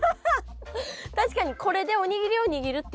確かにこれでおにぎりを握るっていうことも学べるし。